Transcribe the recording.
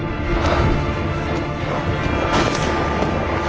ああ！